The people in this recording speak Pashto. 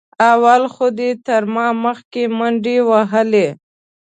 اول خو دې تر ما مخکې منډې وهلې.